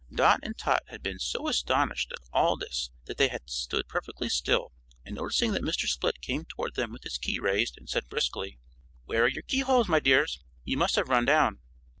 Dot and Tot had been so astonished at all this that they had stood perfectly still, and noticing this Mr. Split came toward them with his key raised and said, briskly: "Where are your key holes my dears? You must have run down."